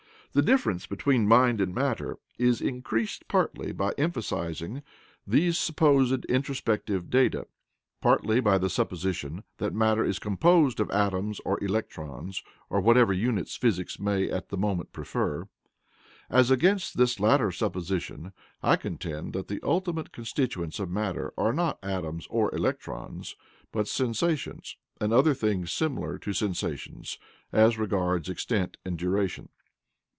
The difference between mind and matter is increased partly by emphasizing these supposed introspective data, partly by the supposition that matter is composed of atoms or electrons or whatever units physics may at the moment prefer. As against this latter supposition, I contend that the ultimate constituents of matter are not atoms or electrons, but sensations, and other things similar to sensations as regards extent and duration.